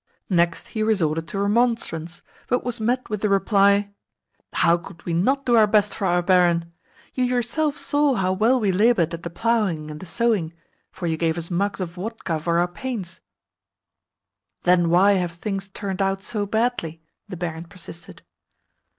Next he resorted to remonstrance, but was met with the reply, "How could we not do our best for our barin? You yourself saw how well we laboured at the ploughing and the sowing, for you gave us mugs of vodka for our pains." "Then why have things turned out so badly?" the barin persisted.